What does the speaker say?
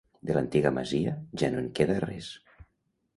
De l'antiga masia ja no en queda res.